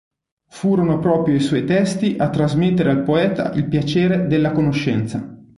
Furono proprio i suoi testi a trasmettere al poeta il piacere della conoscenza.